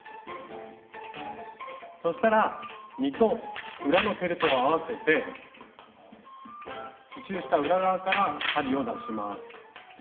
そしたら実と裏のフェルトを合わせて刺しゅうした裏側から針を出します。